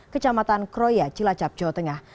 kecamatan kroya cilacap jawa tengah